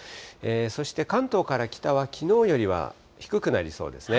そして関東から北はきのうよりは低くなりそうですね。